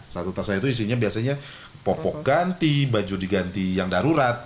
satu tasnya itu isinya biasanya popok ganti baju diganti yang darurat